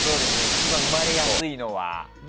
一番生まれやすいのは。